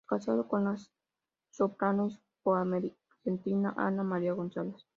Casado con la soprano hispanoargentina Ana María González.